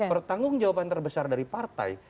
pertanggung jawaban terbesar dari partai